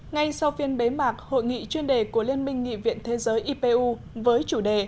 ngay sau phiên bế mạc hội nghị chuyên đề của liên minh nghị viện thế giới ipu với chủ đề